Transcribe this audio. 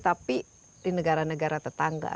tapi di negara negara tetangga